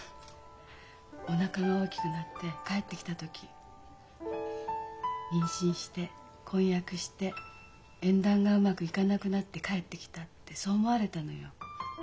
おなかが大きくなって帰ってきた時妊娠して婚約して縁談がうまくいかなくなって帰ってきたってそう思われたのよ。